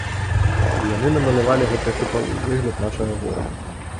І яны намалявалі гэтыя купалы, выгляд нашага гораду.